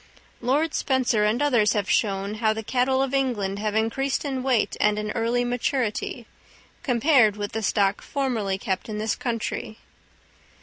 Lord Spencer and others have shown how the cattle of England have increased in weight and in early maturity, compared with the stock formerly kept in this country.